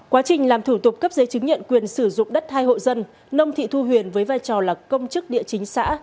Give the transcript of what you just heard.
quá trình làm thủ tục cấp giấy chứng nhận quyền sử dụng đất hai hộ dân nông thị thu huyền với vai trò là công chức địa chính xã